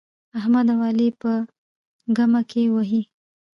احمد او علي يې په ګمه کې وهي.